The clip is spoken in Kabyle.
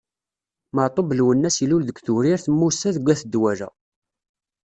Meɛtub Lwennas ilul deg Tewrirt Musa deg At Dwala.